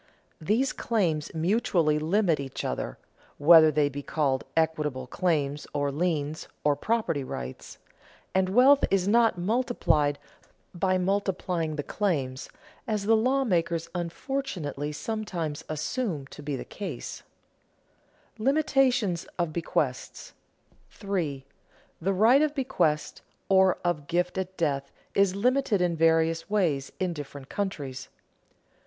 These claims mutually limit each other (whether they be called equitable claims, or liens, or property rights), and wealth is not multiplied by multiplying the claims, as the lawmakers unfortunately sometimes assume to be the case. [Sidenote: Limitation of bequest] 3. _The right of bequest, or of gift at death, is limited in various ways in different countries.